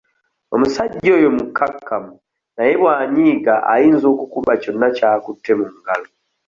Omusajja oyo mukkakkamu naye bw'anyiiga ayinza okukuba kyonna ky'akutte mu ngalo.